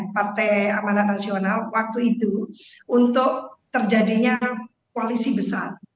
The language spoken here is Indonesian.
partai amanat nasional waktu itu untuk terjadinya koalisi besar